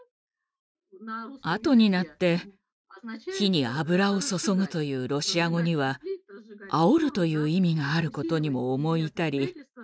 あとになって「火に油を注ぐ」というロシア語には「煽る」という意味があることにも思い至り